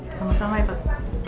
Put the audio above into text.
sama sama ya pak